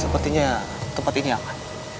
sepertinya tempat ini aman